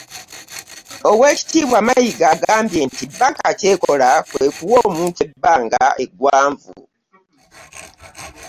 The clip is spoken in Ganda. Oweekitiibwa Mayiga agambye nti bbanka ky'ekola kwe kuwa omuntu ebbanga eggwanvu